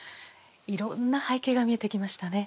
いろんな背景が見えてきましたね。